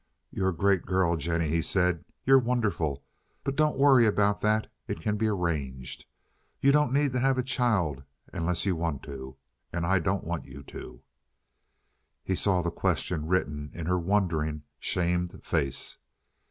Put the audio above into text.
"You're a great girl, Jennie," he said. "You're wonderful. But don't worry about that. It can be arranged. You don't need to have a child unless you want to, and I don't want you to." He saw the question written in her wondering, shamed face.